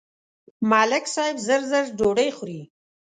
ملک صاحب زر زر ډوډۍ خوري.